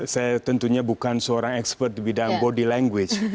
saya tentunya bukan seorang ekspert di bidang body language